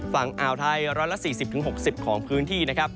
ฝั่งอ่าวไทย๑๔๐๖๐ของพื้นที่นะครับ